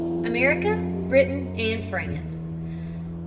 America, Britain, and France.